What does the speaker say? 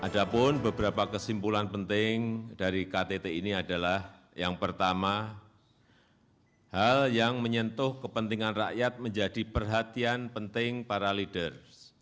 dan beberapa kesimpulan penting dari ktt ini adalah yang pertama hal yang menyentuh kepentingan rakyat menjadi perhatian penting para leaders